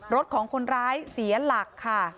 รถของคนร้ายเสียหลักค่ะ